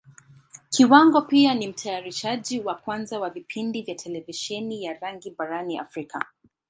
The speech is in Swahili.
Kiwango pia ni Mtayarishaji wa kwanza wa vipindi vya Televisheni ya rangi barani Africa.